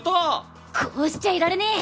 こうしちゃいられねぇ！